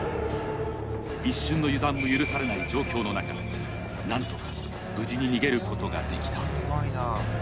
一瞬の油断も許されない状況の中、なんとか無事に逃げることができた。